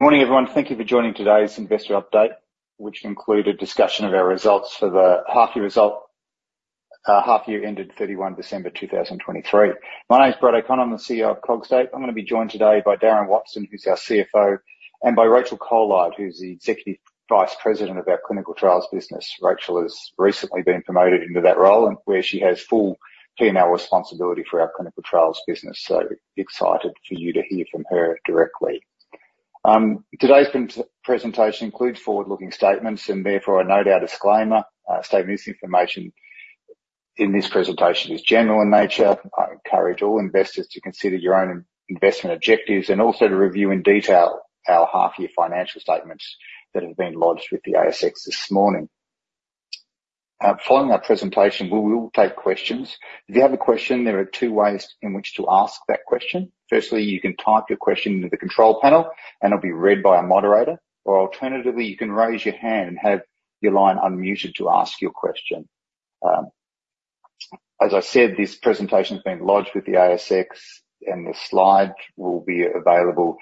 Morning, everyone. Thank you for joining today's investor update, which included discussion of our results for the half-year ended 31 December 2023. My name's Brad O'Connor, I'm the CEO of Cogstate. I'm going to be joined today by Darren Watson, who's our CFO, and by Rachel Colite, who's the Executive Vice President of our clinical trials business. Rachel has recently been promoted into that role, where she has full P&L responsibility for our clinical trials business. So excited for you to hear from her directly. Today's presentation includes forward-looking statements and, therefore, a no doubt disclaimer. Statement: this information in this presentation is general in nature. I encourage all investors to consider your own investment objectives and also to review in detail our half-year financial statements that have been lodged with the ASX this morning. Following our presentation, we will take questions. If you have a question, there are two ways in which to ask that question. Firstly, you can type your question into the control panel, and it'll be read by a moderator. Or alternatively, you can raise your hand and have your line unmuted to ask your question. As I said, this presentation has been lodged with the ASX, and the slide will be available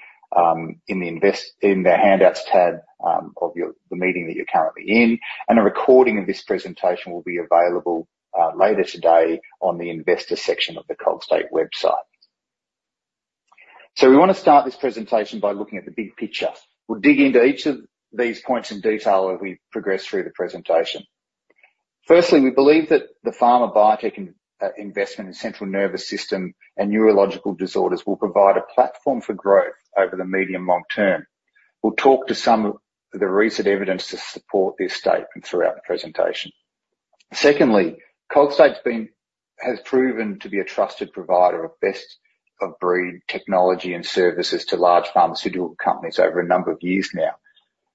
in the handouts tab of the meeting that you're currently in. A recording of this presentation will be available later today on the investor section of the Cogstate website. We want to start this presentation by looking at the big picture. We'll dig into each of these points in detail as we progress through the presentation. Firstly, we believe that the pharma-biotech investment in central nervous system and neurological disorders will provide a platform for growth over the medium-long term. We'll talk to some of the recent evidence to support this statement throughout the presentation. Secondly, Cogstate has proven to be a trusted provider of best-of-breed technology and services to large pharmaceutical companies over a number of years now.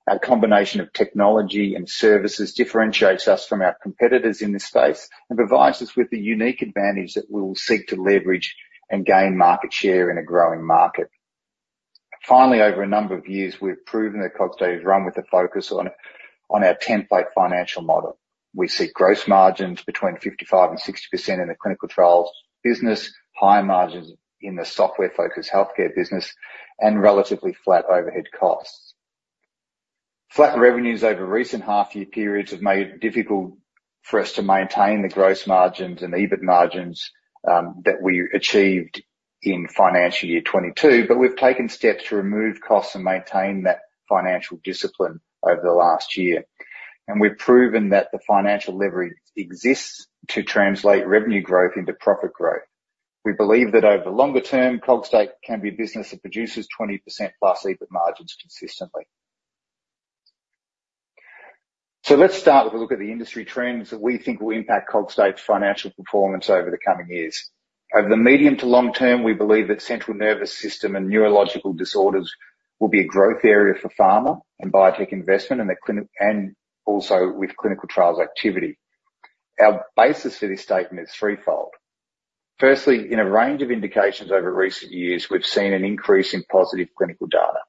Our combination of technology and services differentiates us from our competitors in this space and provides us with the unique advantage that we will seek to leverage and gain market share in a growing market. Finally, over a number of years, we've proven that Cogstate has run with a focus on our template financial model. We see gross margins between 55%-60% in the clinical trials business, high margins in the software-focused healthcare business, and relatively flat overhead costs. Flat revenues over recent half-year periods have made it difficult for us to maintain the gross margins and EBIT margins that we achieved in financial year 2022, but we've taken steps to remove costs and maintain that financial discipline over the last year. And we've proven that the financial leverage exists to translate revenue growth into profit growth. We believe that over the longer term, Cogstate can be a business that produces 20%+ EBIT margins consistently. So let's start with a look at the industry trends that we think will impact Cogstate's financial performance over the coming years. Over the medium to long term, we believe that central nervous system and neurological disorders will be a growth area for pharma and biotech investment and also with clinical trials activity. Our basis for this statement is threefold. Firstly, in a range of indications over recent years, we've seen an increase in positive clinical data.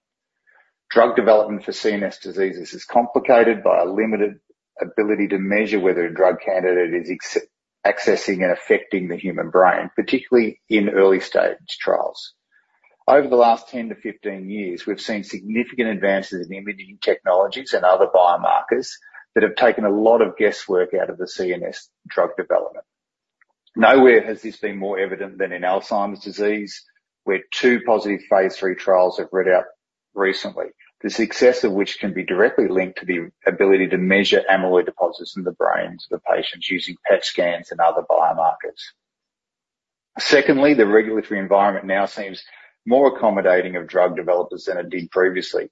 Drug development for CNS diseases is complicated by a limited ability to measure whether a drug candidate is accessing and affecting the human brain, particularly in early-stage trials. Over the last 10-15 years, we've seen significant advances in imaging technologies and other biomarkers that have taken a lot of guesswork out of the CNS drug development. Nowhere has this been more evident than in Alzheimer's disease, where two positive phase III trials have read out recently, the success of which can be directly linked to the ability to measure amyloid deposits in the brains of patients using PET scans and other biomarkers. Secondly, the regulatory environment now seems more accommodating of drug developers than it did previously.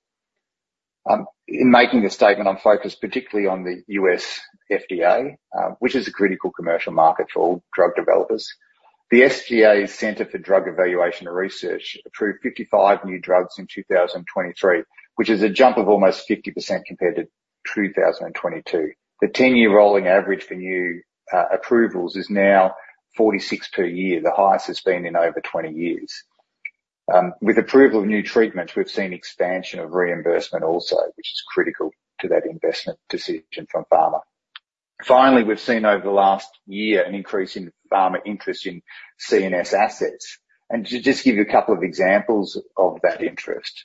In making this statement, I'm focused particularly on the U.S. FDA, which is a critical commercial market for all drug developers. The FDA's Center for Drug Evaluation and Research approved 55 new drugs in 2023, which is a jump of almost 50% compared to 2022. The 10-year rolling average for new approvals is now 46 per year, the highest it's been in over 20 years. With approval of new treatments, we've seen expansion of reimbursement also, which is critical to that investment decision from pharma. Finally, we've seen over the last year an increase in pharma interest in CNS assets. And to just give you a couple of examples of that interest,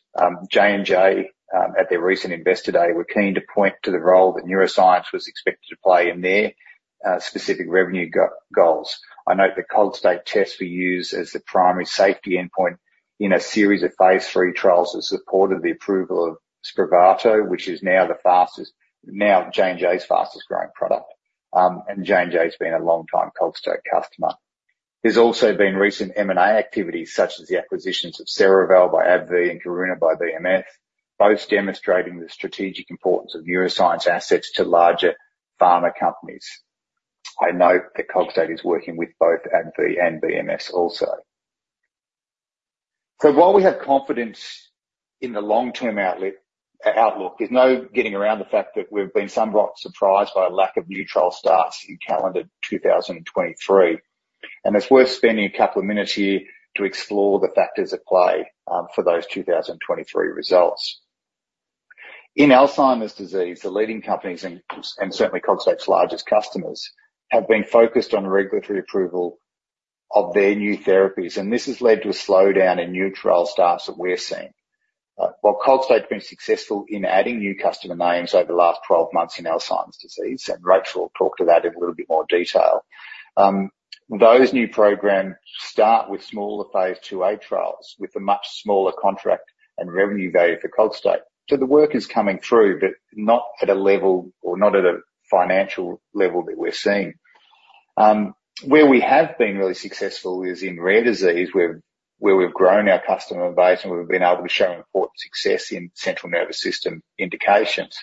J&J, at their recent investor day, were keen to point to the role that neuroscience was expected to play in their specific revenue goals. I note that Cogstate tests were used as the primary safety endpoint in a series of phase III trials that supported the approval of Spravato, which is now J&J's fastest-growing product. J&J's been a long-time Cogstate customer. There's also been recent M&A activities such as the acquisitions of Cerevel by AbbVie and Karuna by BMS, both demonstrating the strategic importance of neuroscience assets to larger pharma companies. I note that Cogstate is working with both AbbVie and BMS also. So while we have confidence in the long-term outlook, there's no getting around the fact that we've been somewhat surprised by a lack of new trial starts in calendar 2023. It's worth spending a couple of minutes here to explore the factors at play for those 2023 results. In Alzheimer's disease, the leading companies and certainly Cogstate's largest customers have been focused on regulatory approval of their new therapies. And this has led to a slowdown in new trial starts that we're seeing. While Cogstate's been successful in adding new customer names over the last 12 months in Alzheimer's disease, and Rachel will talk to that in a little bit more detail, those new programs start with smaller phase IIa trials with a much smaller contract and revenue value for Cogstate. So the work is coming through, but not at a level or not at a financial level that we're seeing. Where we have been really successful is in rare disease, where we've grown our customer base and we've been able to show important success in Central Nervous System indications.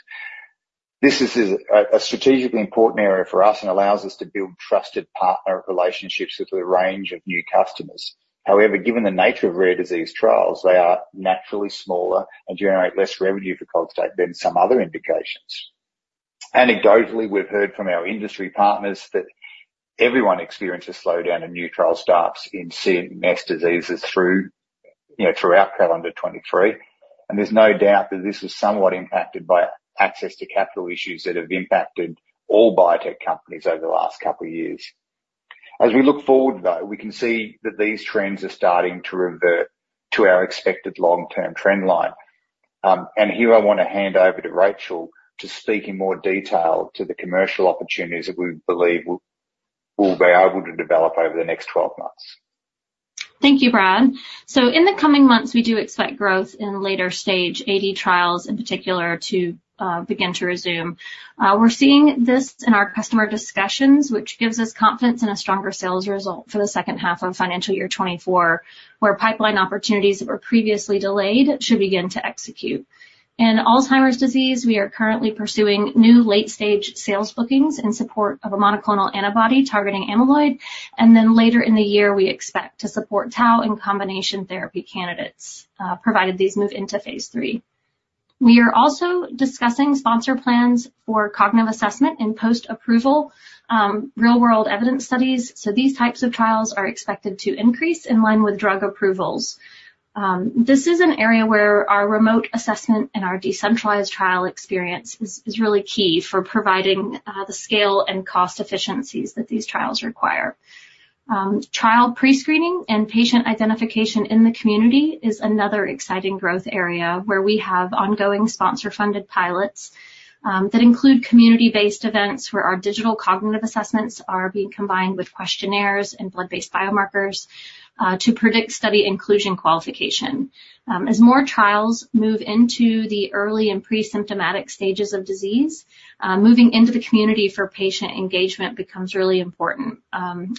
This is a strategically important area for us and allows us to build trusted partner relationships with a range of new customers. However, given the nature of rare disease trials, they are naturally smaller and generate less revenue for Cogstate than some other indications. Anecdotally, we've heard from our industry partners that everyone experienced a slowdown in new trial starts in CNS diseases throughout calendar 2023. There's no doubt that this was somewhat impacted by access to capital issues that have impacted all biotech companies over the last couple of years. As we look forward, though, we can see that these trends are starting to revert to our expected long-term trendline. Here I want to hand over to Rachel to speak in more detail to the commercial opportunities that we believe we'll be able to develop over the next 12 months. Thank you, Brad. So in the coming months, we do expect growth in later-stage AD trials, in particular, to begin to resume. We're seeing this in our customer discussions, which gives us confidence in a stronger sales result for the second half of financial year 2024, where pipeline opportunities that were previously delayed should begin to execute. In Alzheimer's disease, we are currently pursuing new late-stage sales bookings in support of a monoclonal antibody targeting Amyloid. And then later in the year, we expect to support Tau in combination therapy candidates provided these move into phase III. We are also discussing sponsor plans for cognitive assessment and post-approval real-world evidence studies. So these types of trials are expected to increase in line with drug approvals. This is an area where our remote assessment and our decentralized trial experience is really key for providing the scale and cost efficiencies that these trials require. Trial prescreening and patient identification in the community is another exciting growth area where we have ongoing sponsor-funded pilots that include community-based events where our digital cognitive assessments are being combined with questionnaires and blood-based biomarkers to predict study inclusion qualification. As more trials move into the early and pre-symptomatic stages of disease, moving into the community for patient engagement becomes really important,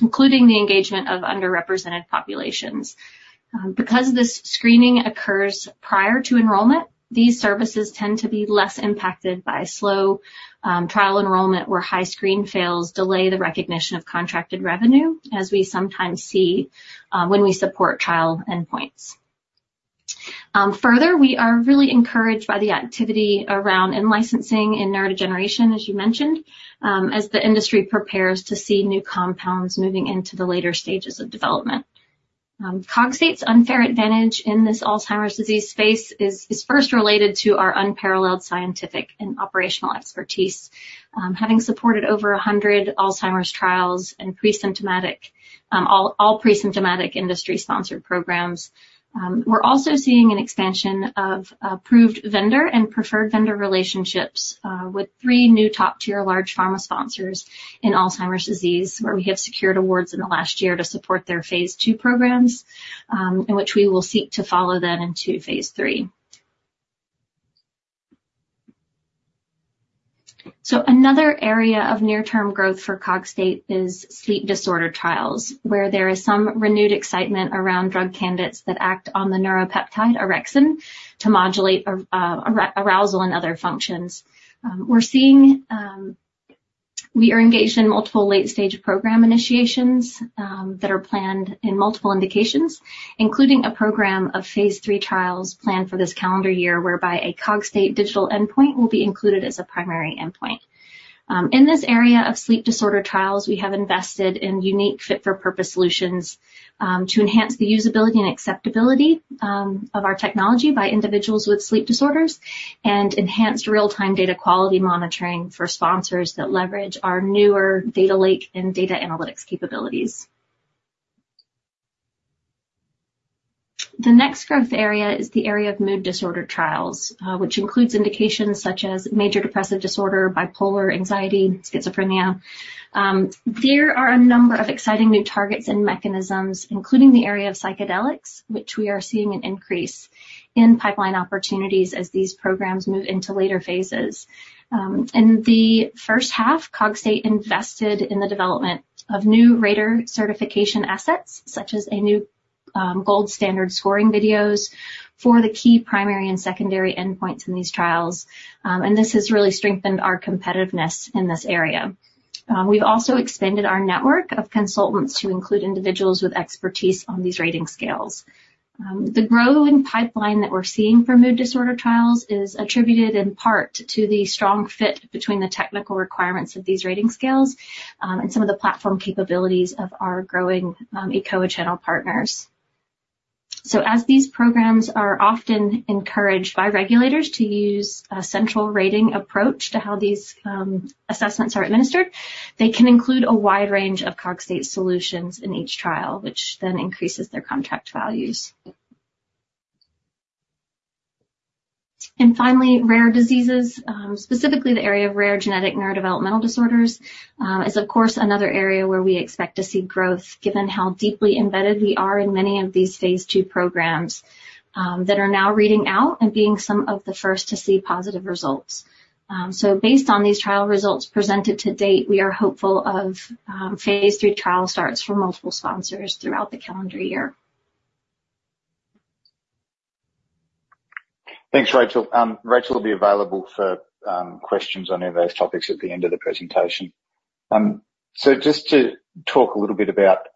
including the engagement of underrepresented populations. Because this screening occurs prior to enrollment, these services tend to be less impacted by slow trial enrollment where high screen fails delay the recognition of contracted revenue, as we sometimes see when we support trial endpoints. Further, we are really encouraged by the activity around in-licensing in neurodegeneration, as you mentioned, as the industry prepares to see new compounds moving into the later stages of development. Cogstate's unfair advantage in this Alzheimer's disease space is first related to our unparalleled scientific and operational expertise, having supported over 100 Alzheimer's trials and all pre-symptomatic industry-sponsored programs. We're also seeing an expansion of approved vendor and preferred vendor relationships with three new top-tier large pharma sponsors in Alzheimer's disease, where we have secured awards in the last year to support their phase II programs, and which we will seek to follow then into phase III. So another area of near-term growth for Cogstate is sleep disorder trials, where there is some renewed excitement around drug candidates that act on the neuropeptide orexin to modulate arousal and other functions. We're engaged in multiple late-stage program initiations that are planned in multiple indications, including a program of phase III trials planned for this calendar year whereby a Cogstate digital endpoint will be included as a primary endpoint. In this area of sleep disorder trials, we have invested in unique fit-for-purpose solutions to enhance the usability and acceptability of our technology by individuals with sleep disorders and enhanced real-time data quality monitoring for sponsors that leverage our newer data lake and data analytics capabilities. The next growth area is the area of mood disorder trials, which includes indications such as major depressive disorder, bipolar, anxiety, schizophrenia. There are a number of exciting new targets and mechanisms, including the area of psychedelics, which we are seeing an increase in pipeline opportunities as these programs move into later phases. In the first half, Cogstate invested in the development of new RADAR Certification assets such as a new gold standard scoring videos for the key primary and secondary endpoints in these trials. This has really strengthened our competitiveness in this area. We've also expanded our network of consultants to include individuals with expertise on these rating scales. The growing pipeline that we're seeing for mood disorder trials is attributed in part to the strong fit between the technical requirements of these rating scales and some of the platform capabilities of our growing eCOA channel partners. As these programs are often encouraged by regulators to use a central rating approach to how these assessments are administered, they can include a wide range of Cogstate solutions in each trial, which then increases their contract values. And finally, rare diseases, specifically the area of rare genetic neurodevelopmental disorders, is, of course, another area where we expect to see growth given how deeply embedded we are in many of these phase II programs that are now reading out and being some of the first to see positive results. So based on these trial results presented to date, we are hopeful of phase III trial starts for multiple sponsors throughout the calendar year. Thanks, Rachel. Rachel will be available for questions on any of those topics at the end of the presentation. So just to talk a little bit about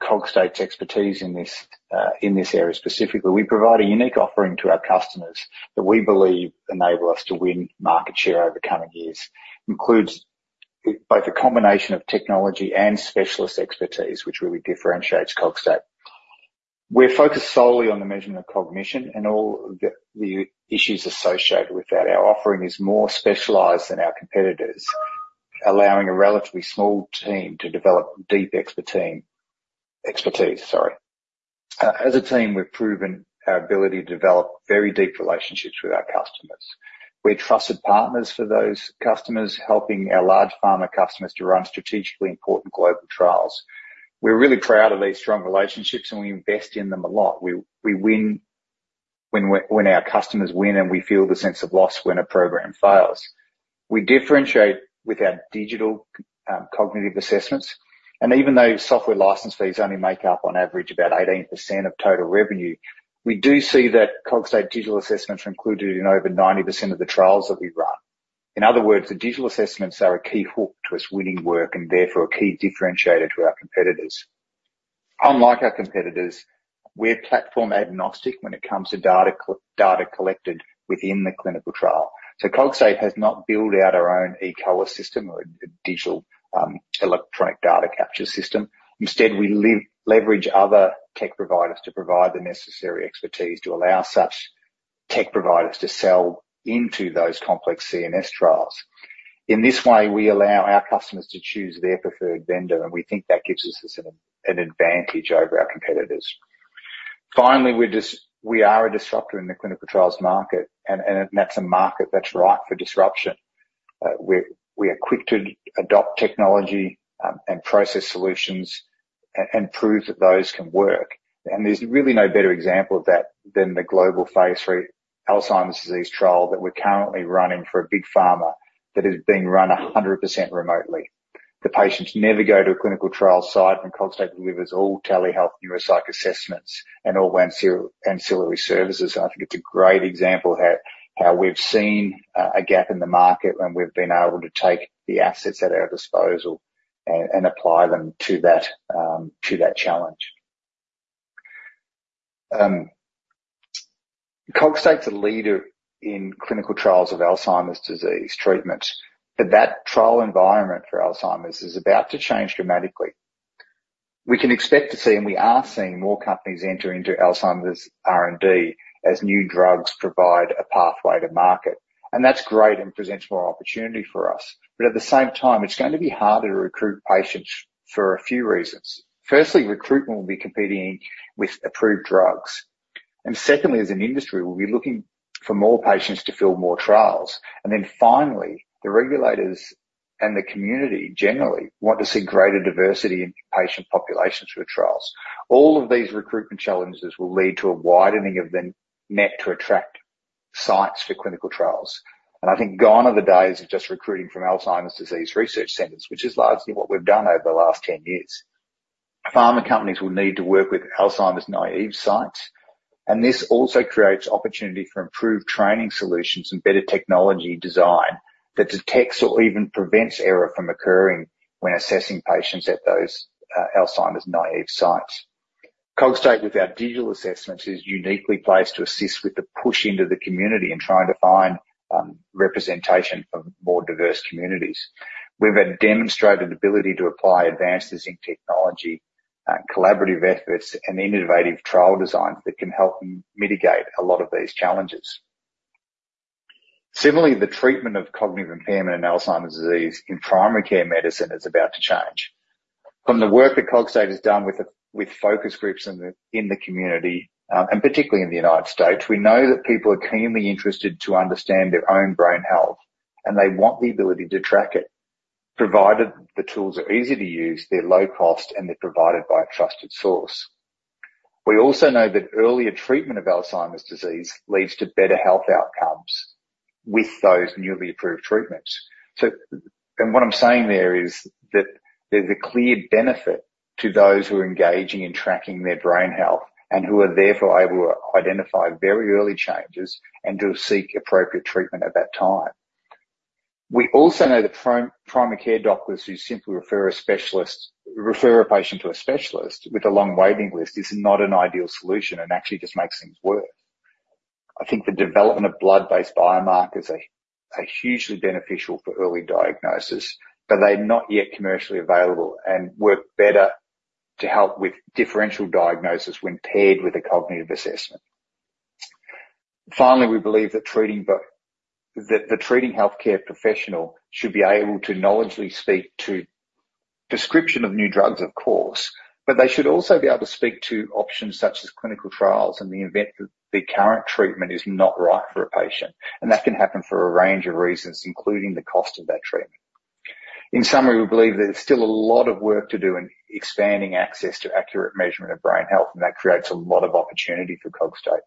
Cogstate's expertise in this area specifically, we provide a unique offering to our customers that we believe enables us to win market share over coming years, includes both a combination of technology and specialist expertise, which really differentiates Cogstate. We're focused solely on the measurement of cognition and all the issues associated with that. Our offering is more specialized than our competitors, allowing a relatively small team to develop deep expertise. Sorry. As a team, we've proven our ability to develop very deep relationships with our customers. We're trusted partners for those customers, helping our large pharma customers to run strategically important global trials. We're really proud of these strong relationships, and we invest in them a lot. We win when our customers win and we feel the sense of loss when a program fails. We differentiate with our digital cognitive assessments. Even though software license fees only make up, on average, about 18% of total revenue, we do see that Cogstate digital assessments are included in over 90% of the trials that we run. In other words, the digital assessments are a key hook to us winning work and, therefore, a key differentiator to our competitors. Unlike our competitors, we're platform-agnostic when it comes to data collected within the clinical trial. Cogstate has not built out our own ecosystem or a digital electronic data capture system. Instead, we leverage other tech providers to provide the necessary expertise to allow such tech providers to sell into those complex CNS trials. In this way, we allow our customers to choose their preferred vendor, and we think that gives us an advantage over our competitors. Finally, we are a disruptor in the clinical trials market, and that's a market that's ripe for disruption. We are quick to adopt technology and process solutions and prove that those can work. There's really no better example of that than the global phase III Alzheimer's disease trial that we're currently running for a big pharma that is being run 100% remotely. The patients never go to a clinical trial site, and Cogstate delivers all telehealth neuropsych assessments and all ancillary services. I think it's a great example of how we've seen a gap in the market when we've been able to take the assets at our disposal and apply them to that challenge. Cogstate's a leader in clinical trials of Alzheimer's disease treatment. But that trial environment for Alzheimer's is about to change dramatically. We can expect to see—and we are seeing—more companies enter into Alzheimer's R&D as new drugs provide a pathway to market. That's great and presents more opportunity for us. But at the same time, it's going to be harder to recruit patients for a few reasons. Firstly, recruitment will be competing with approved drugs. Secondly, as an industry, we'll be looking for more patients to fill more trials. Then finally, the regulators and the community generally want to see greater diversity in patient populations through trials. All of these recruitment challenges will lead to a widening of the net to attract sites for clinical trials. I think gone are the days of just recruiting from Alzheimer's disease research centers, which is largely what we've done over the last 10 years. Pharma companies will need to work with Alzheimer's naïve sites. This also creates opportunity for improved training solutions and better technology design that detects or even prevents error from occurring when assessing patients at those Alzheimer's naïve sites. Cogstate, with our digital assessments, is uniquely placed to assist with the push into the community and trying to find representation for more diverse communities. We've demonstrated the ability to apply advanced zinc technology, collaborative efforts, and innovative trial designs that can help mitigate a lot of these challenges. Similarly, the treatment of cognitive impairment in Alzheimer's disease in primary care medicine is about to change. From the work that Cogstate has done with focus groups in the community and particularly in the United States, we know that people are keenly interested to understand their own brain health, and they want the ability to track it provided the tools are easy to use, they're low-cost, and they're provided by a trusted source. We also know that earlier treatment of Alzheimer's disease leads to better health outcomes with those newly approved treatments. What I'm saying there is that there's a clear benefit to those who are engaging in tracking their brain health and who are, therefore, able to identify very early changes and to seek appropriate treatment at that time. We also know that primary care doctors who simply refer a patient to a specialist with a long waiting list is not an ideal solution and actually just makes things worse. I think the development of blood-based biomarkers are hugely beneficial for early diagnosis, but they're not yet commercially available and work better to help with differential diagnosis when paired with a cognitive assessment. Finally, we believe that the treating healthcare professional should be able to knowledgeably speak to description of new drugs, of course, but they should also be able to speak to options such as clinical trials in the event that the current treatment is not right for a patient. And that can happen for a range of reasons, including the cost of that treatment. In summary, we believe that there's still a lot of work to do in expanding access to accurate measurement of brain health, and that creates a lot of opportunity for Cogstate.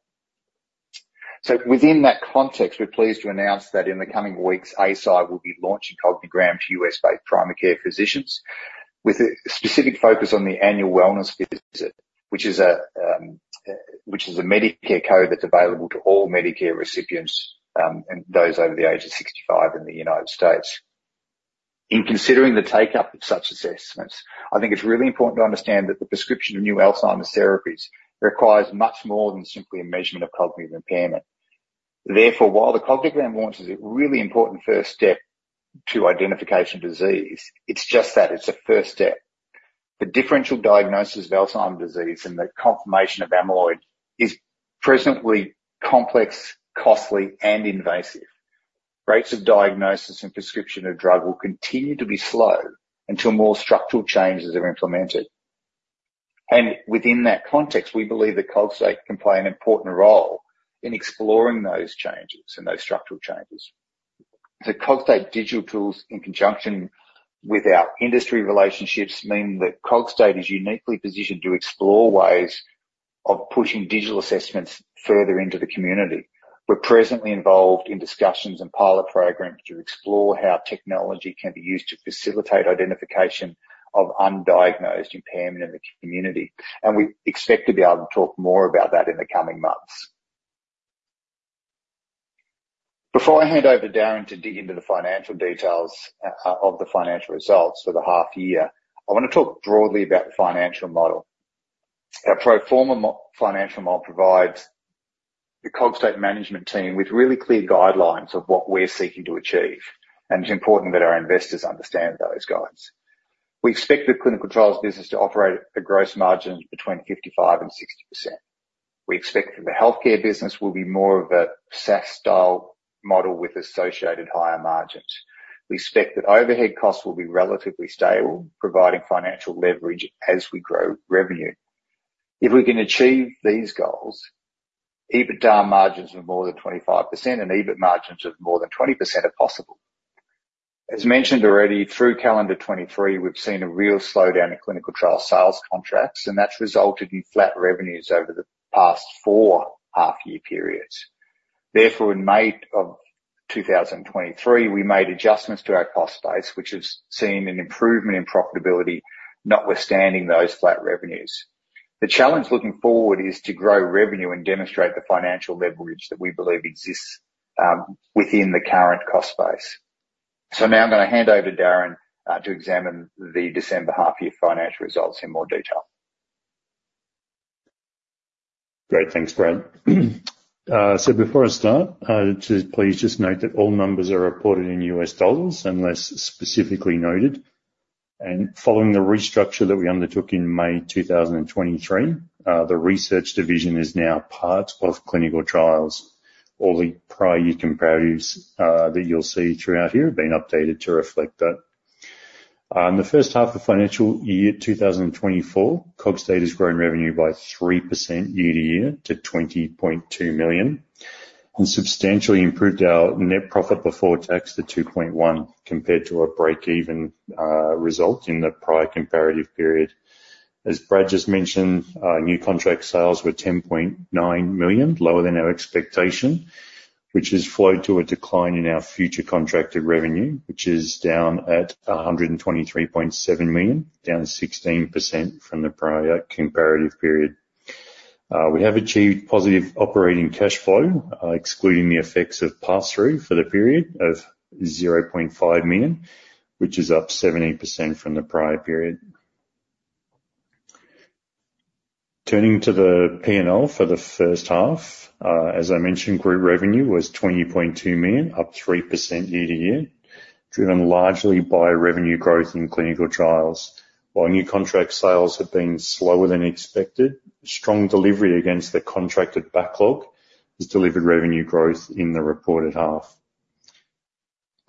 So within that context, we're pleased to announce that in the coming weeks, ACI will be launching CogniGram to US-based primary care physicians with a specific focus on the annual wellness visit, which is a Medicare code that's available to all Medicare recipients and those over the age of 65 in the United States. In considering the take-up of such assessments, I think it's really important to understand that the prescription of new Alzheimer's therapies requires much more than simply a measurement of cognitive impairment. Therefore, while the CogniGram launch is a really important first step to identification of disease, it's just that. It's a first step. The differential diagnosis of Alzheimer's disease and the confirmation of amyloid is presently complex, costly, and invasive. Rates of diagnosis and prescription of drug will continue to be slow until more structural changes are implemented. Within that context, we believe that Cogstate can play an important role in exploring those changes and those structural changes. So Cogstate digital tools in conjunction with our industry relationships mean that Cogstate is uniquely positioned to explore ways of pushing digital assessments further into the community. We're presently involved in discussions and pilot programs to explore how technology can be used to facilitate identification of undiagnosed impairment in the community. And we expect to be able to talk more about that in the coming months. Before I hand over to Darren to dig into the financial details of the financial results for the half-year, I want to talk broadly about the financial model. Our pro forma financial model provides the Cogstate management team with really clear guidelines of what we're seeking to achieve. And it's important that our investors understand those guides. We expect the clinical trials business to operate at gross margins between 55%-60%. We expect that the healthcare business will be more of a SaaS-style model with associated higher margins. We expect that overhead costs will be relatively stable, providing financial leverage as we grow revenue. If we can achieve these goals, EBITDA margins of more than 25% and EBIT margins of more than 20% are possible. As mentioned already, through calendar 2023, we've seen a real slowdown in clinical trial sales contracts, and that's resulted in flat revenues over the past four half-year periods. Therefore, in May of 2023, we made adjustments to our cost base, which has seen an improvement in profitability, notwithstanding those flat revenues. The challenge looking forward is to grow revenue and demonstrate the financial leverage that we believe exists within the current cost base. Now I'm going to hand over to Darren to examine the December half-year financial results in more detail. Great. Thanks, Brad. So before I start, please just note that all numbers are reported in US dollars unless specifically noted. Following the restructure that we undertook in May 2023, the research division is now part of clinical trials. All the prior year comparatives that you'll see throughout here have been updated to reflect that. In the first half of financial year 2024, Cogstate has grown revenue by 3% year-over-year to $20.2 million and substantially improved our net profit before tax to $2.1 million compared to a break-even result in the prior comparative period. As Brad just mentioned, new contract sales were $10.9 million, lower than our expectation, which has flowed to a decline in our future contracted revenue, which is down at $123.7 million, down 16% from the prior comparative period. We have achieved positive operating cash flow, excluding the effects of pass-through for the period of $0.5 million, which is up 17% from the prior period. Turning to the P&L for the first half, as I mentioned, group revenue was $20.2 million, up 3% year-over-year, driven largely by revenue growth in clinical trials. While new contract sales have been slower than expected, strong delivery against the contracted backlog has delivered revenue growth in the reported half.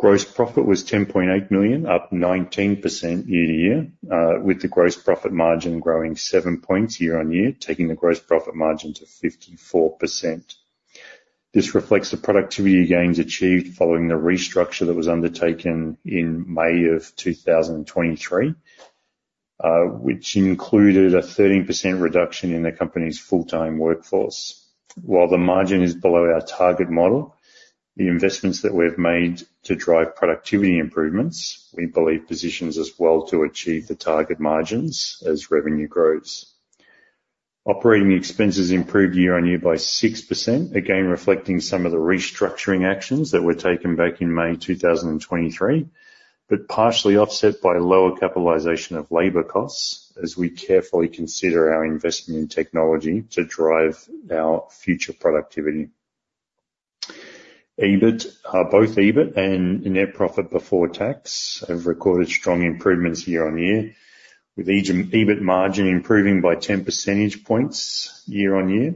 Gross profit was $10.8 million, up 19% year-over-year, with the gross profit margin growing 7 points year-over-year, taking the gross profit margin to 54%. This reflects the productivity gains achieved following the restructure that was undertaken in May of 2023, which included a 13% reduction in the company's full-time workforce. While the margin is below our target model, the investments that we've made to drive productivity improvements, we believe, positions us well to achieve the target margins as revenue grows. Operating expenses improved year-on-year by 6%, again reflecting some of the restructuring actions that were taken back in May 2023 but partially offset by lower capitalization of labor costs as we carefully consider our investment in technology to drive our future productivity. Both EBIT and net profit before tax have recorded strong improvements year-on-year, with each EBIT margin improving by 10 percentage points year-on-year.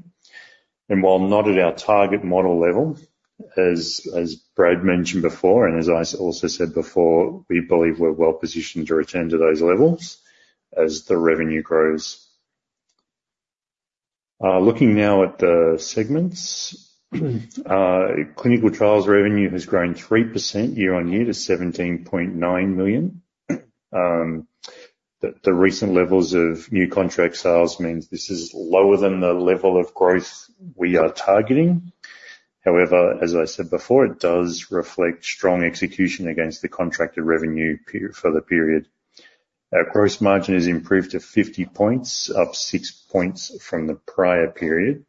While not at our target model level, as Brad mentioned before and as I also said before, we believe we're well-positioned to return to those levels as the revenue grows. Looking now at the segments, clinical trials revenue has grown 3% year-on-year to $17.9 million. The recent levels of new contract sales mean this is lower than the level of growth we are targeting. However, as I said before, it does reflect strong execution against the contracted revenue for the period. Our gross margin has improved to 50 points, up 6 points from the prior period,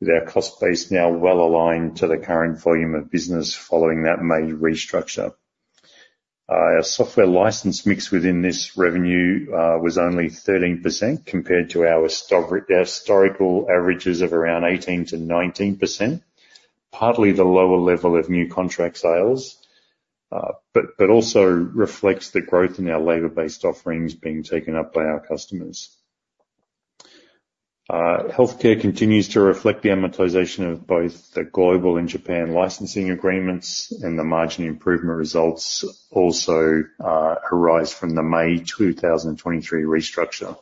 with our cost base now well-aligned to the current volume of business following that May restructure. Our software license mix within this revenue was only 13% compared to our historical averages of around 18%-19%, partly the lower level of new contract sales but also reflects the growth in our labor-based offerings being taken up by our customers. Healthcare continues to reflect the amortization of both the global and Japan licensing agreements, and the margin improvement results also arise from the May 2023 restructure.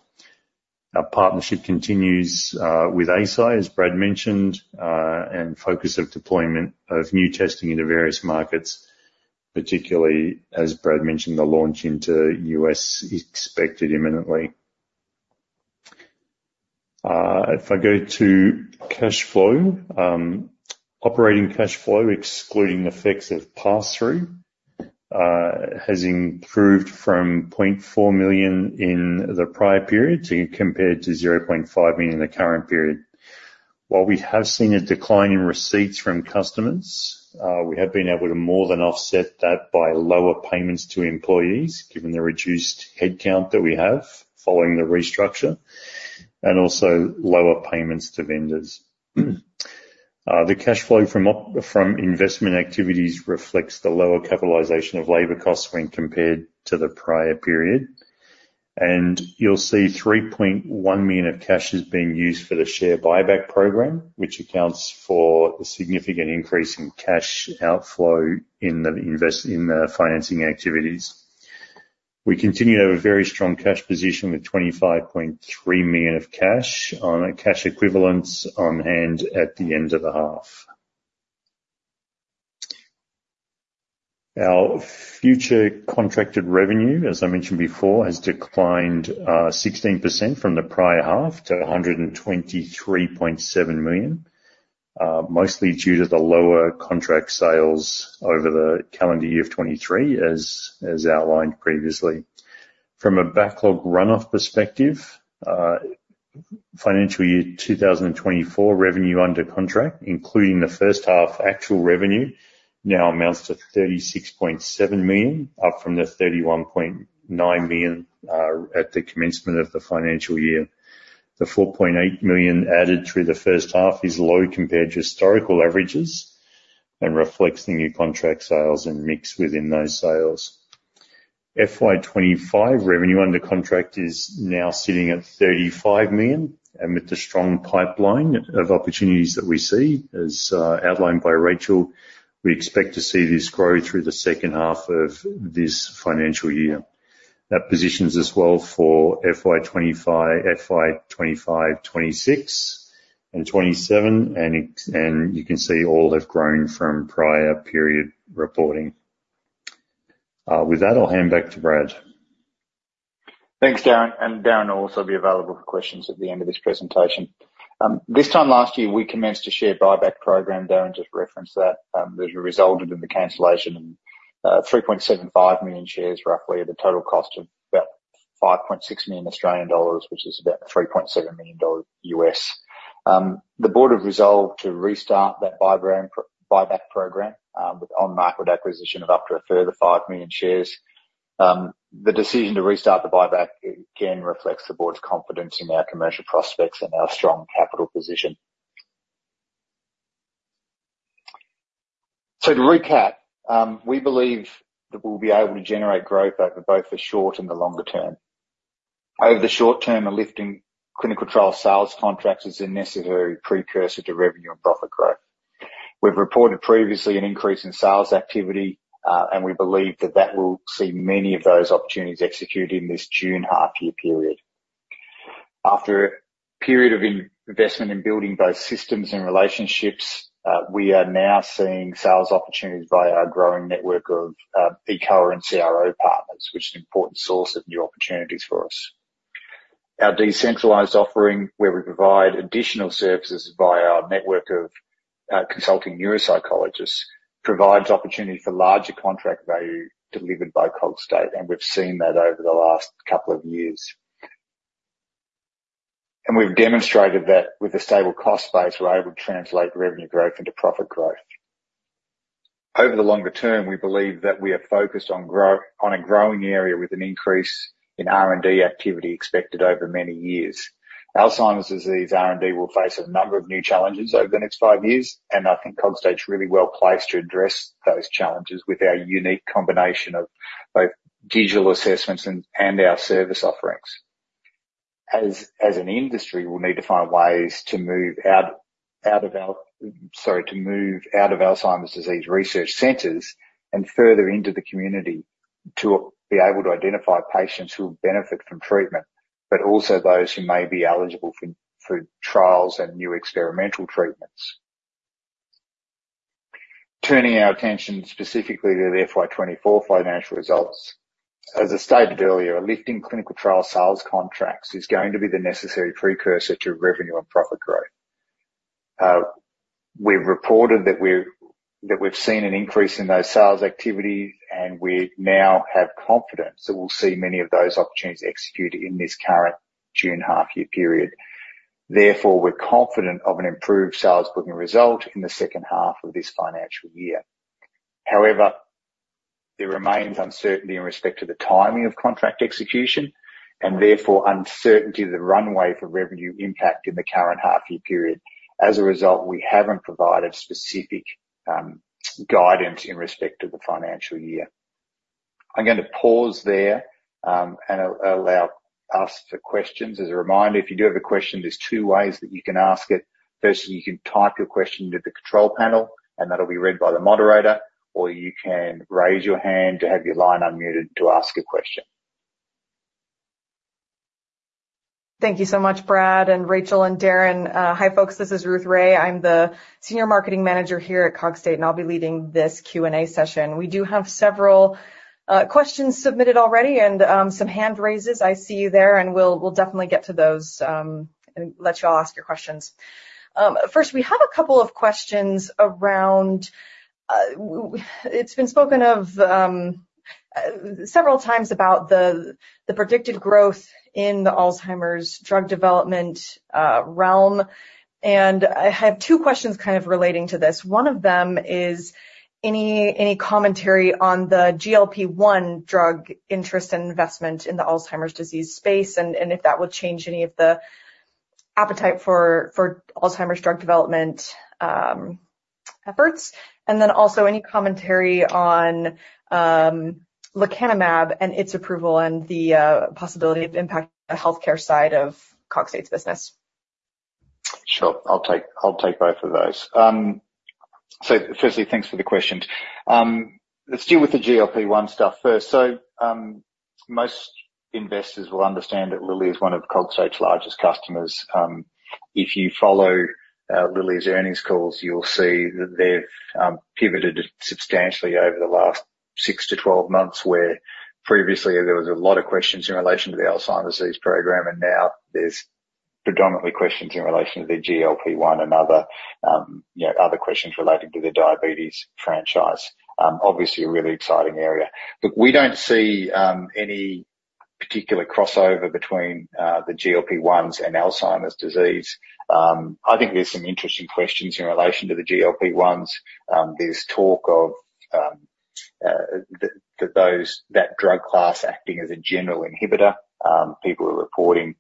Our partnership continues with ACI, as Brad mentioned, and focus of deployment of new testing into various markets, particularly, as Brad mentioned, the launch into US expected imminently. If I go to cash flow, operating cash flow excluding effects of pass-through has improved from $0.4 million in the prior period compared to $0.5 million in the current period. While we have seen a decline in receipts from customers, we have been able to more than offset that by lower payments to employees given the reduced headcount that we have following the restructure and also lower payments to vendors. The cash flow from investment activities reflects the lower capitalization of labor costs when compared to the prior period. And you'll see $3.1 million of cash has been used for the share buyback program, which accounts for a significant increase in cash outflow in the financing activities. We continue to have a very strong cash position with $25.3 million of cash equivalents on hand at the end of the half. Our future contracted revenue, as I mentioned before, has declined 16% from the prior half to $123.7 million, mostly due to the lower contract sales over the calendar year of 2023, as outlined previously. From a backlog run-off perspective, financial year 2024 revenue under contract, including the first half actual revenue, now amounts to $36.7 million, up from the $31.9 million at the commencement of the financial year. The $4.8 million added through the first half is low compared to historical averages and reflects the new contract sales and mix within those sales. FY25 revenue under contract is now sitting at $35 million. With the strong pipeline of opportunities that we see, as outlined by Rachel, we expect to see this grow through the second half of this financial year. That positions us well for FY25, FY25, 2026, and 2027. You can see all have grown from prior period reporting. With that, I'll hand back to Brad. Thanks, Darren. Darren will also be available for questions at the end of this presentation. This time last year, we commenced a share buyback program. Darren just referenced that. It resulted in the cancellation of 3.75 million shares, roughly, at a total cost of about 5.6 million Australian dollars, which is about $3.7 million. The board have resolved to restart that buyback program on market acquisition of up to a further 5 million shares. The decision to restart the buyback again reflects the board's confidence in our commercial prospects and our strong capital position. So to recap, we believe that we'll be able to generate growth over both the short and the longer term. Over the short term, a lift in clinical trial sales contracts is a necessary precursor to revenue and profit growth. We've reported previously an increase in sales activity, and we believe that that will see many of those opportunities executed in this June half-year period. After a period of investment in building those systems and relationships, we are now seeing sales opportunities via our growing network of eCRO and CRO partners, which is an important source of new opportunities for us. Our decentralized offering, where we provide additional services via our network of consulting neuropsychologists, provides opportunity for larger contract value delivered by Cogstate, and we've seen that over the last couple of years. We've demonstrated that with a stable cost base, we're able to translate revenue growth into profit growth. Over the longer term, we believe that we are focused on a growing area with an increase in R&D activity expected over many years. Alzheimer's disease R&D will face a number of new challenges over the next five years, and I think Cogstate's really well-placed to address those challenges with our unique combination of both digital assessments and our service offerings. As an industry, we'll need to find ways to move out of Alzheimer's disease research centres and further into the community to be able to identify patients who will benefit from treatment but also those who may be eligible for trials and new experimental treatments. Turning our attention specifically to the FY2024 financial results, as I stated earlier, a lift in clinical trial sales contracts is going to be the necessary precursor to revenue and profit growth. We've reported that we've seen an increase in those sales activities, and we now have confidence that we'll see many of those opportunities executed in this current June half-year period. Therefore, we're confident of an improved sales booking result in the second half of this financial year. However, there remains uncertainty in respect to the timing of contract execution and, therefore, uncertainty of the runway for revenue impact in the current half-year period. As a result, we haven't provided specific guidance in respect to the financial year. I'm going to pause there and allow us for questions. As a reminder, if you do have a question, there's two ways that you can ask it. First, you can type your question into the control panel, and that'll be read by the moderator, or you can raise your hand to have your line unmuted to ask a question. Thank you so much, Brad and Rachel and Darren. Hi, folks. This is Ruth Ray. I'm the senior marketing manager here at Cogstate, and I'll be leading this Q&A session. We do have several questions submitted already and some hand raises. I see you there, and we'll definitely get to those and let you all ask your questions. First, we have a couple of questions around it's been spoken of several times about the predicted growth in the Alzheimer's drug development realm. I have two questions kind of relating to this. One of them is any commentary on the GLP-1 drug interest and investment in the Alzheimer's disease space and if that would change any of the appetite for Alzheimer's drug development efforts. Then also, any commentary on lecanemab and its approval and the possibility of impacting the healthcare side of Cogstate's business. Sure. I'll take both of those. So firstly, thanks for the questions. Let's deal with the GLP-1 stuff first. So most investors will understand that Lilly is one of Cogstate's largest customers. If you follow Lilly's earnings calls, you'll see that they've pivoted substantially over the last 6-12 months where previously, there was a lot of questions in relation to the Alzheimer's disease program, and now there's predominantly questions in relation to the GLP-1 and other questions relating to the diabetes franchise. Obviously, a really exciting area. Look, we don't see any particular crossover between the GLP-1s and Alzheimer's disease. I think there's some interesting questions in relation to the GLP-1s. There's talk of that drug class acting as a general inhibitor. People are reporting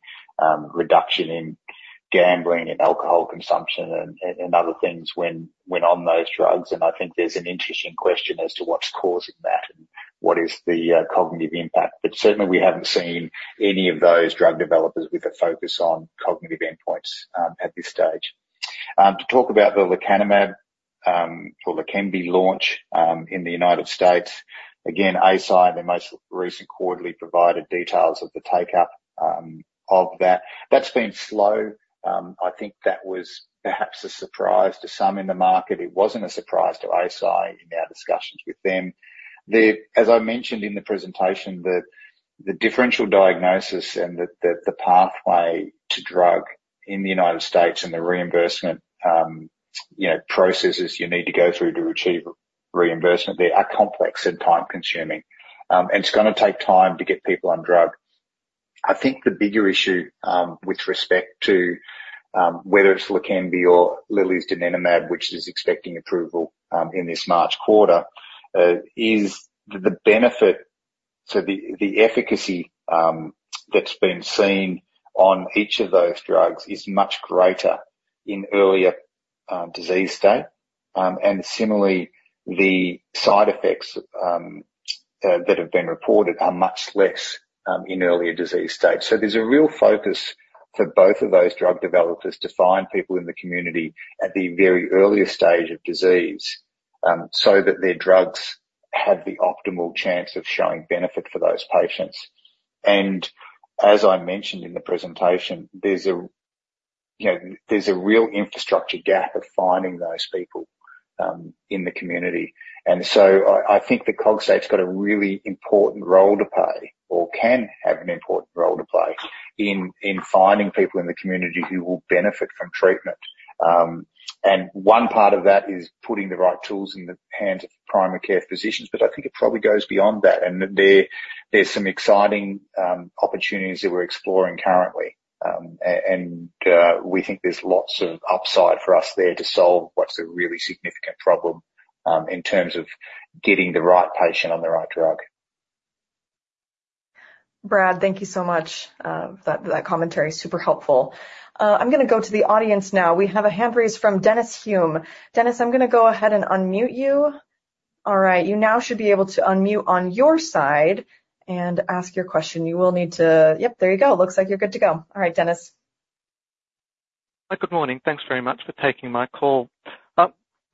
reduction in gambling and alcohol consumption and other things when on those drugs. I think there's an interesting question as to what's causing that and what is the cognitive impact. But certainly, we haven't seen any of those drug developers with a focus on cognitive endpoints at this stage. To talk about the lecanemab or the donanemab launch in the United States, again, ACI, their most recent quarterly provided details of the take-up of that. That's been slow. I think that was perhaps a surprise to some in the market. It wasn't a surprise to ACI in our discussions with them. As I mentioned in the presentation, the differential diagnosis and the pathway to drug in the United States and the reimbursement processes you need to go through to achieve reimbursement, they are complex and time-consuming. And it's going to take time to get people on drug. I think the bigger issue with respect to whether it's lecanemab or Lilly's donanemab, which is expecting approval in this March quarter, is that the benefit so the efficacy that's been seen on each of those drugs is much greater in earlier disease state. And similarly, the side effects that have been reported are much less in earlier disease state. So there's a real focus for both of those drug developers to find people in the community at the very earliest stage of disease so that their drugs have the optimal chance of showing benefit for those patients. And as I mentioned in the presentation, there's a real infrastructure gap of finding those people in the community. And so I think that Cogstate's got a really important role to play or can have an important role to play in finding people in the community who will benefit from treatment. One part of that is putting the right tools in the hands of primary care physicians. But I think it probably goes beyond that. There's some exciting opportunities that we're exploring currently. We think there's lots of upside for us there to solve what's a really significant problem in terms of getting the right patient on the right drug. Brad, thank you so much. That commentary's super helpful. I'm going to go to the audience now. We have a hand raise from Dennis Hume. Dennis, I'm going to go ahead and unmute you. All right. You now should be able to unmute on your side and ask your question. You will need to yep, there you go. Looks like you're good to go. All right, Dennis. Hi. Good morning. Thanks very much for taking my call.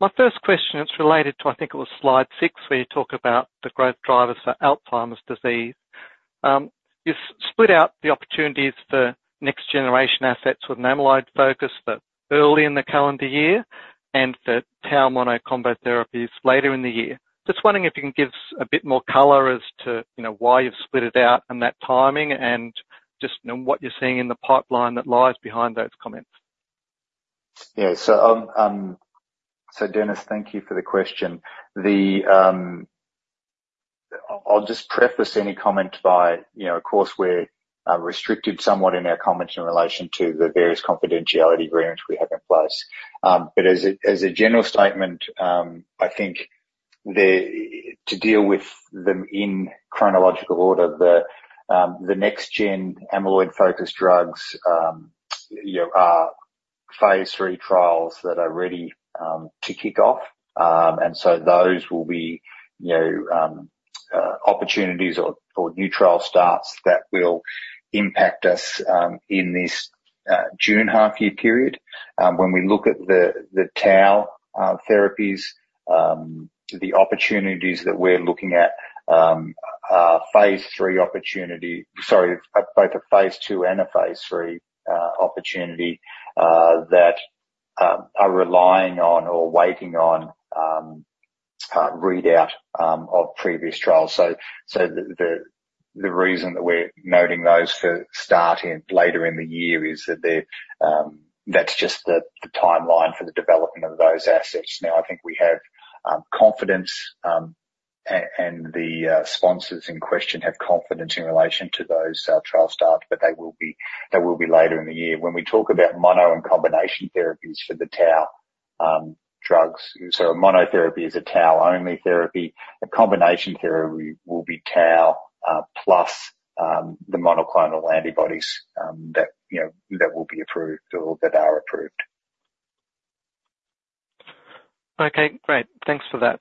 My first question, it's related to I think it was slide 6 where you talk about the growth drivers for Alzheimer's disease. You've split out the opportunities for next-generation assets with an amyloid focus early in the calendar year and for Tau monocombo therapies later in the year. Just wondering if you can give us a bit more color as to why you've split it out and that timing and just what you're seeing in the pipeline that lies behind those comments. Yeah. So Dennis, thank you for the question. I'll just preface any comment by, of course, we're restricted somewhat in our comments in relation to the various confidentiality agreements we have in place. But as a general statement, I think to deal with them in chronological order, the next-gen amyloid-focused drugs are phase III trials that are ready to kick off. And so those will be opportunities or new trial starts that will impact us in this June half-year period. When we look at the Tau therapies, the opportunities that we're looking at are phase III opportunity sorry, both a phase II and a phase III opportunity that are relying on or waiting on readout of previous trials. So the reason that we're noting those for start later in the year is that that's just the timeline for the development of those assets. Now, I think we have confidence, and the sponsors in question have confidence in relation to those trial starts, but they will be later in the year. When we talk about mono and combination therapies for the Tau drugs, so a monotherapy is a Tau-only therapy. A combination therapy will be Tau plus the monoclonal antibodies that will be approved or that are approved. Okay. Great. Thanks for that.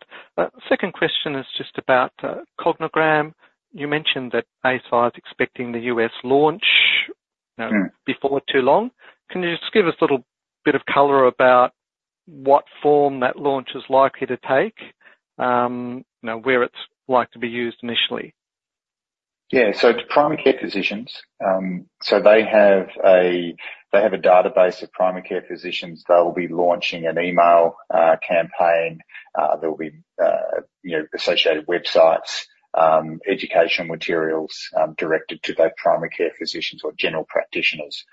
Second question is just about CogniGram. You mentioned that ACI is expecting the U.S. launch before too long. Can you just give us a little bit of color about what form that launch is likely to take, where it's likely to be used initially? Yeah. So to primary care physicians so they have a database of primary care physicians. They'll be launching an email campaign. There'll be associated websites, educational materials directed to those primary care physicians or general practitioners.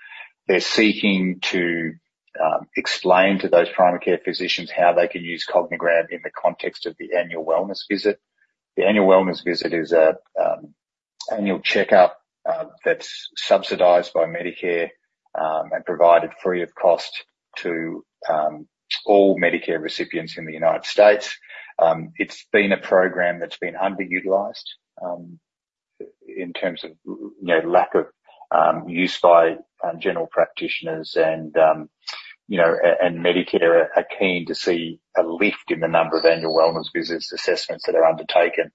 They're seeking to explain to those primary care physicians how they can use CogniGram in the context of the annual wellness visit. The annual wellness visit is an annual checkup that's subsidized by Medicare and provided free of cost to all Medicare recipients in the United States. It's been a program that's been underutilized in terms of lack of use by general practitioners. And Medicare are keen to see a lift in the number of annual wellness visits assessments that are undertaken.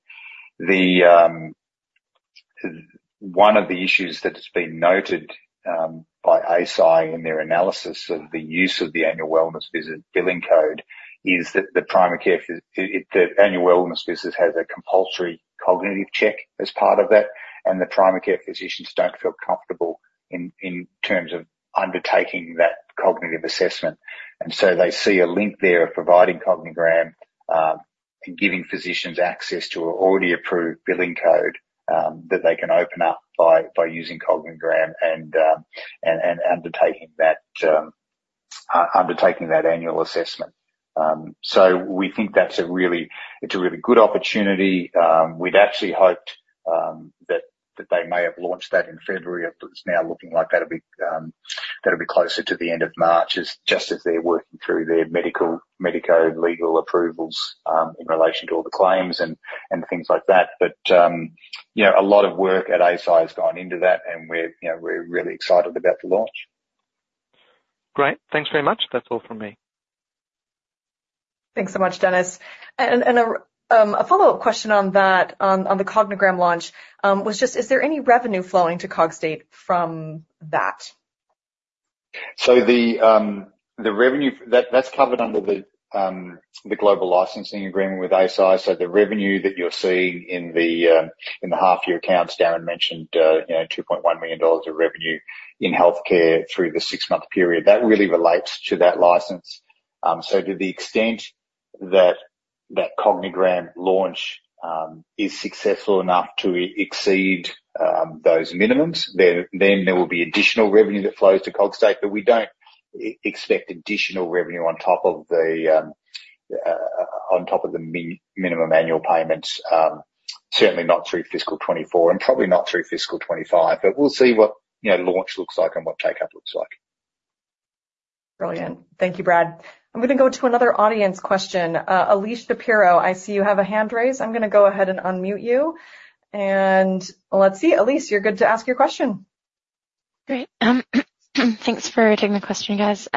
One of the issues that's been noted by ACI in their analysis of the use of the Annual Wellness Visit billing code is that the primary care, the Annual Wellness Visit has a compulsory cognitive check as part of that, and the primary care physicians don't feel comfortable in terms of undertaking that cognitive assessment. So they see a link there of providing CogniGram and giving physicians access to an already-approved billing code that they can open up by using CogniGram and undertaking that annual assessment. So we think that's a really good opportunity. We'd actually hoped that they may have launched that in February, but it's now looking like that'll be closer to the end of March just as they're working through their medico-legal approvals in relation to all the claims and things like that. But a lot of work at ACI has gone into that, and we're really excited about the launch. Great. Thanks very much. That's all from me. Thanks so much, Dennis. A follow-up question on that, on the CogniGram launch, was just, is there any revenue flowing to Cogstate from that? So the revenue that's covered under the global licensing agreement with ACI. So the revenue that you're seeing in the half-year accounts Darren mentioned, $2.1 million of revenue in healthcare through the six-month period, that really relates to that license. So to the extent that CogniGram launch is successful enough to exceed those minimums, then there will be additional revenue that flows to Cogstate. But we don't expect additional revenue on top of the minimum annual payments, certainly not through fiscal 2024 and probably not through fiscal 2025. But we'll see what launch looks like and what take-up looks like. Brilliant. Thank you, Brad. I'm going to go to another audience question. Alice Shapiro, I see you have a hand raised. I'm going to go ahead and unmute you. Let's see. Alice, you're good to ask your question. Great. Thanks for taking the question, guys.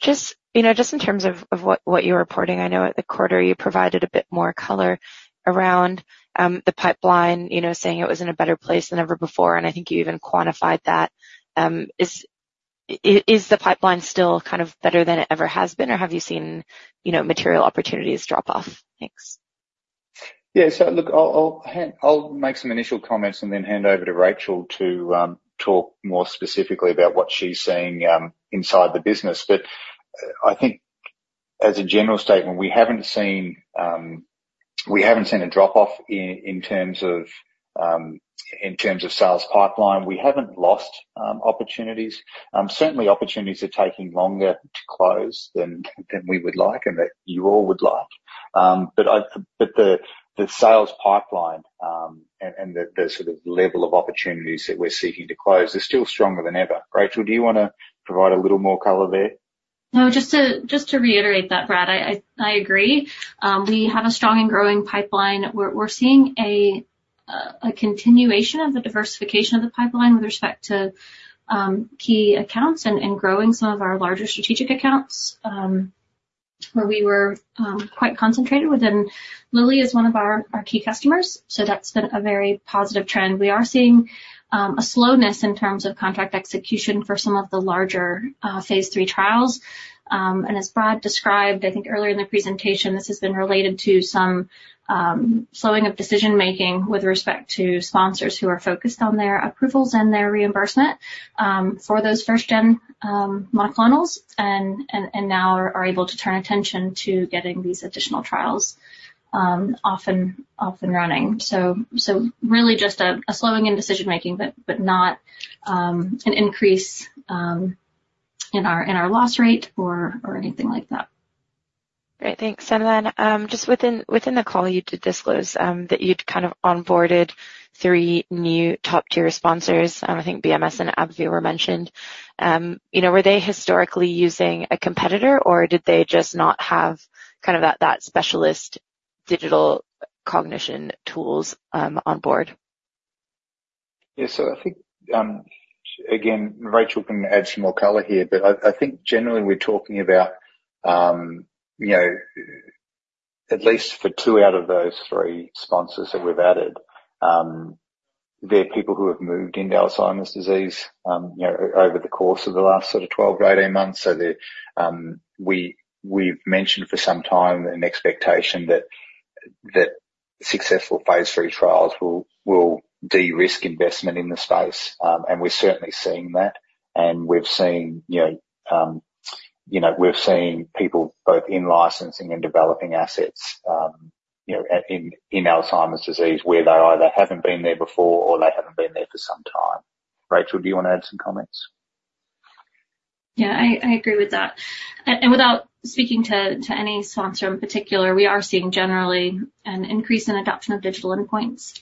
Just in terms of what you're reporting, I know at the quarter, you provided a bit more color around the pipeline, saying it was in a better place than ever before, and I think you even quantified that. Is the pipeline still kind of better than it ever has been, or have you seen material opportunities drop off? Thanks. Yeah. So look, I'll make some initial comments and then hand over to Rachel to talk more specifically about what she's seeing inside the business. But I think as a general statement, we haven't seen a drop-off in terms of sales pipeline. We haven't lost opportunities. Certainly, opportunities are taking longer to close than we would like and that you all would like. But the sales pipeline and the sort of level of opportunities that we're seeking to close, they're still stronger than ever. Rachel, do you want to provide a little more color there? No, just to reiterate that, Brad, I agree. We have a strong and growing pipeline. We're seeing a continuation of the diversification of the pipeline with respect to key accounts and growing some of our larger strategic accounts where we were quite concentrated within. Lilly is one of our key customers, so that's been a very positive trend. We are seeing a slowness in terms of contract execution for some of the larger phase III trials. And as Brad described, I think earlier in the presentation, this has been related to some slowing of decision-making with respect to sponsors who are focused on their approvals and their reimbursement for those first-gen monoclonals and now are able to turn attention to getting these additional trials often running. So really just a slowing in decision-making but not an increase in our loss rate or anything like that. Great. Thanks. And then just within the call, you did disclose that you'd kind of onboarded three new top-tier sponsors. I think BMS and AbbVie were mentioned. Were they historically using a competitor, or did they just not have kind of that specialist digital cognition tools on board? Yeah. So I think, again, Rachel can add some more color here. But I think generally, we're talking about at least for two out of those three sponsors that we've added, they're people who have moved into Alzheimer's disease over the course of the last sort of 12-18 months. So we've mentioned for some time an expectation that successful phase III trials will de-risk investment in the space. And we're certainly seeing that. And we've seen people both in licensing and developing assets in Alzheimer's disease where they either haven't been there before or they haven't been there for some time. Rachel, do you want to add some comments? Yeah. I agree with that. And without speaking to any sponsor in particular, we are seeing generally an increase in adoption of digital endpoints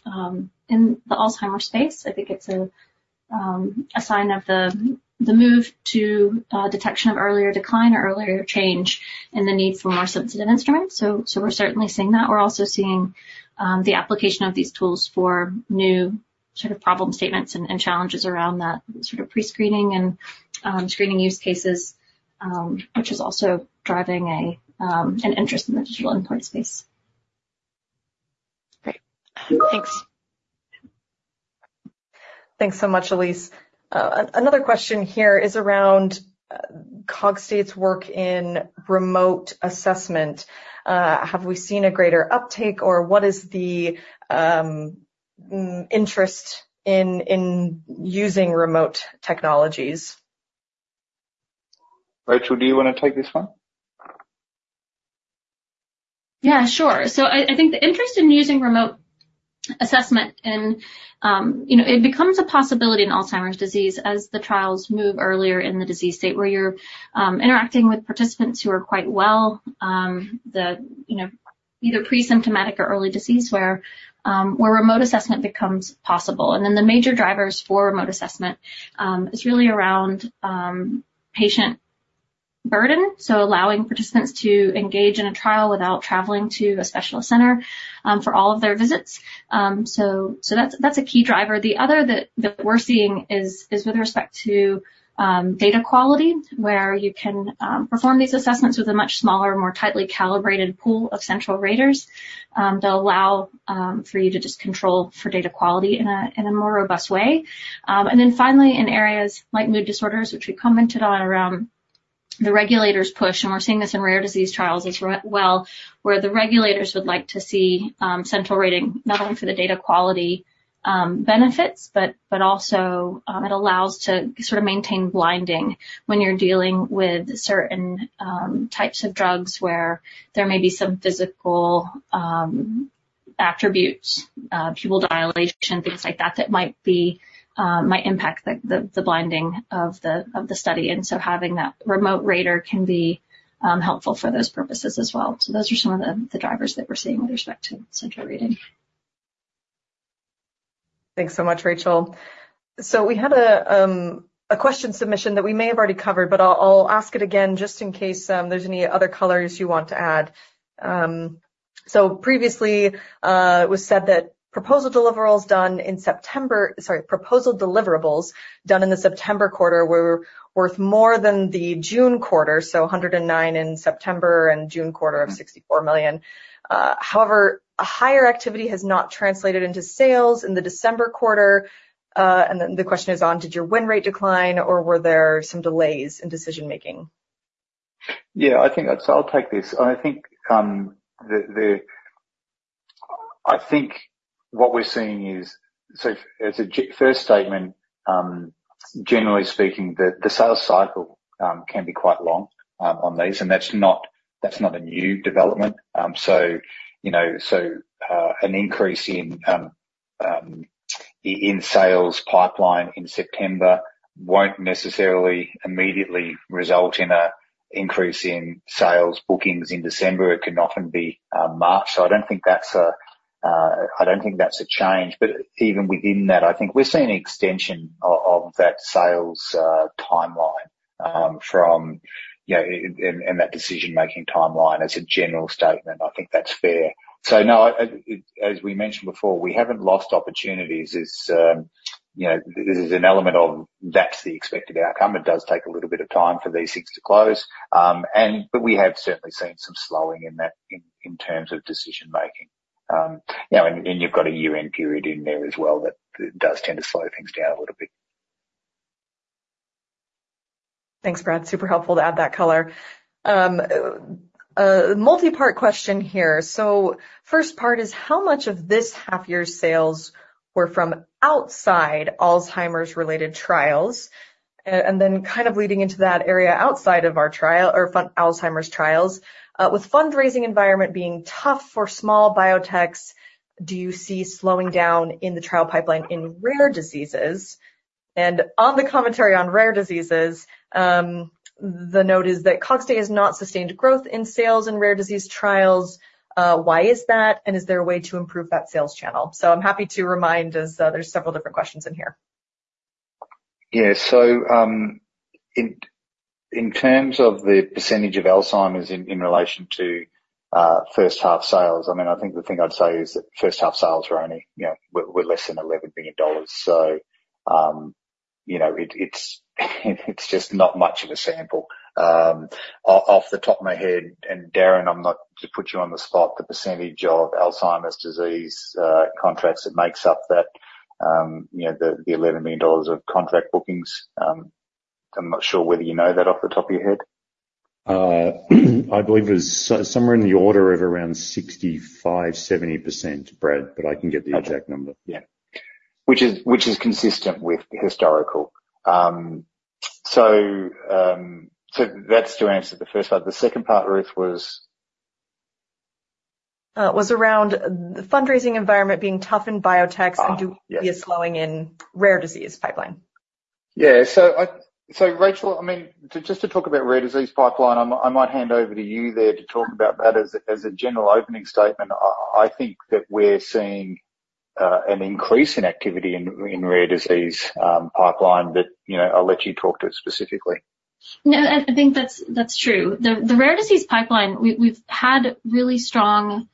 in the Alzheimer's space. I think it's a sign of the move to detection of earlier decline or earlier change and the need for more substantive instruments. So we're certainly seeing that. We're also seeing the application of these tools for new sort of problem statements and challenges around that sort of prescreening and screening use cases, which is also driving an interest in the digital endpoint space. Great. Thanks. Thanks so much, Alice. Another question here is around Cogstate's work in remote assessment. Have we seen a greater uptake, or what is the interest in using remote technologies? Rachel, do you want to take this one? Yeah. Sure. So I think the interest in using remote assessment and it becomes a possibility in Alzheimer's disease as the trials move earlier in the disease state where you're interacting with participants who are quite well, either pre-symptomatic or early disease, where remote assessment becomes possible. And then the major drivers for remote assessment is really around patient burden, so allowing participants to engage in a trial without traveling to a specialist centre for all of their visits. So that's a key driver. The other that we're seeing is with respect to data quality, where you can perform these assessments with a much smaller, more tightly calibrated pool of central raters. They'll allow for you to just control for data quality in a more robust way. And then finally, in areas like mood disorders, which we commented on around the regulators' push - and we're seeing this in rare disease trials as well - where the regulators would like to see central rating not only for the data quality benefits, but also it allows to sort of maintain blinding when you're dealing with certain types of drugs where there may be some physical attributes, pupil dilation, things like that that might impact the blinding of the study. And so having that remote rater can be helpful for those purposes as well. So those are some of the drivers that we're seeing with respect to central rating. Thanks so much, Rachel. So we had a question submission that we may have already covered, but I'll ask it again just in case there's any other colors you want to add. So previously, it was said that proposal deliverables done in September sorry, proposal deliverables done in the September quarter were worth more than the June quarter, so $109 million in September and June quarter of $64 million. However, higher activity has not translated into sales in the December quarter. And then the question is on, did your win rate decline, or were there some delays in decision-making? Yeah. I think that's I'll take this. I think what we're seeing is, so as a first statement, generally speaking, the sales cycle can be quite long on these, and that's not a new development. So an increase in sales pipeline in September won't necessarily immediately result in an increase in sales bookings in December. It can often be March. So I don't think that's a change. But even within that, I think we're seeing an extension of that sales timeline and that decision-making timeline as a general statement. I think that's fair. So no, as we mentioned before, we haven't lost opportunities. This is an element of that, that's the expected outcome. It does take a little bit of time for these things to close. But we have certainly seen some slowing in that in terms of decision-making. You've got a year-end period in there as well that does tend to slow things down a little bit. Thanks, Brad. Super helpful to add that color. A multi-part question here. So first part is, how much of this half-year sales were from outside Alzheimer's-related trials? And then kind of leading into that area outside of our trial or Alzheimer's trials, with fundraising environment being tough for small biotechs, do you see slowing down in the trial pipeline in rare diseases? And on the commentary on rare diseases, the note is that Cogstate has not sustained growth in sales in rare disease trials. Why is that? And is there a way to improve that sales channel? So I'm happy to remind as there's several different questions in here. Yeah. So in terms of the percentage of Alzheimer's in relation to first-half sales, I mean, I think the thing I'd say is that first-half sales were only less than $11 million. So it's just not much of a sample. Off the top of my head and Darren, I'm not to put you on the spot, the percentage of Alzheimer's disease contracts that makes up the $11 million of contract bookings, I'm not sure whether you know that off the top of your head. I believe it was somewhere in the order of around 65%-70%, Brad, but I can get the exact number. Okay. Yeah. Which is consistent with historical. So that's to answer the first part. The second part, Ruth, was? Was around the fundraising environment being tough in biotechs and do you see a slowing in rare disease pipeline? Yeah. So Rachel, I mean, just to talk about rare disease pipeline, I might hand over to you there to talk about that as a general opening statement. I think that we're seeing an increase in activity in rare disease pipeline. But I'll let you talk to it specifically. No. I think that's true. The rare disease pipeline, we've had really strong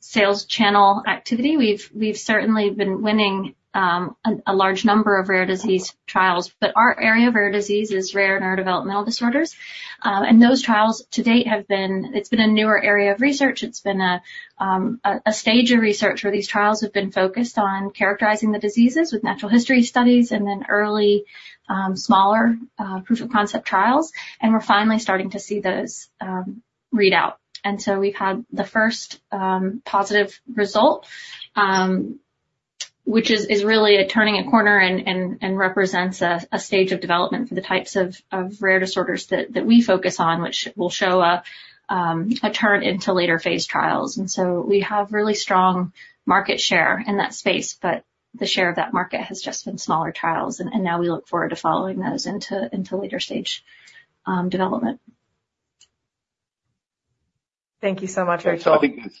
sales channel activity. We've certainly been winning a large number of rare disease trials. But our area of rare disease is rare neurodevelopmental disorders. And those trials to date have been. It's been a newer area of research. It's been a stage of research where these trials have been focused on characterizing the diseases with natural history studies and then early smaller proof-of-concept trials. And we're finally starting to see those read out. And so we've had the first positive result, which is really turning a corner and represents a stage of development for the types of rare disorders that we focus on, which will show a turn into later phase trials. And so we have really strong market share in that space, but the share of that market has just been smaller trials. Now we look forward to following those into later stage development. Thank you so much, Rachel. So I think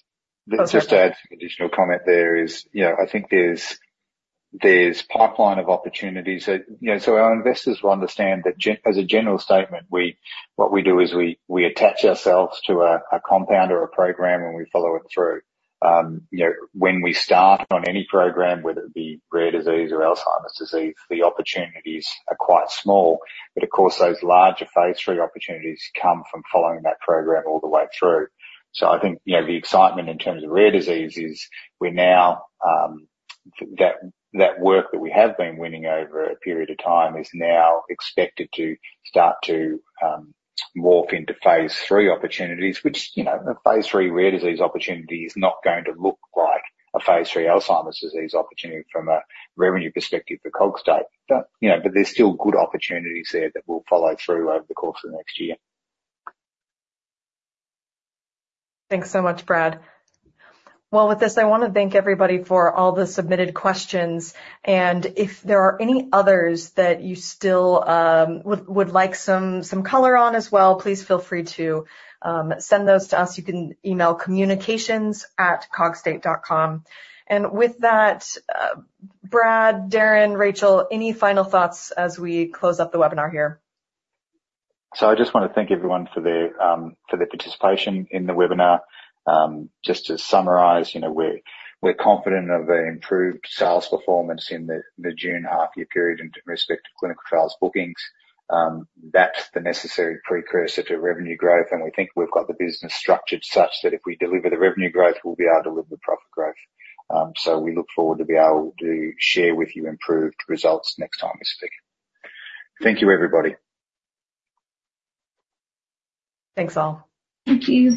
just to add some additional comment, there is, I think, there's a pipeline of opportunities. So our investors will understand that as a general statement, what we do is we attach ourselves to a compound or a program, and we follow it through. When we start on any program, whether it be rare disease or Alzheimer's disease, the opportunities are quite small. But of course, those larger phase III opportunities come from following that program all the way through. So I think the excitement in terms of rare disease is we're now, that work that we have been winning over a period of time is now expected to start to morph into phase III opportunities, which a phase III rare disease opportunity is not going to look like a phase III Alzheimer's disease opportunity from a revenue perspective for Cogstate. There's still good opportunities there that will follow through over the course of the next year. Thanks so much, Brad. Well, with this, I want to thank everybody for all the submitted questions. If there are any others that you still would like some color on as well, please feel free to send those to us. You can email communications@cogstate.com. With that, Brad, Darren, Rachel, any final thoughts as we close up the webinar here? I just want to thank everyone for their participation in the webinar. Just to summarize, we're confident of an improved sales performance in the June half-year period in respect to clinical trials bookings. That's the necessary precursor to revenue growth. We think we've got the business structured such that if we deliver the revenue growth, we'll be able to deliver profit growth. We look forward to be able to share with you improved results next time we speak. Thank you, everybody. Thanks, all. Thank you.